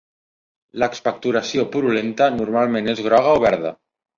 L'expectoració purulenta normalment és groga o verda.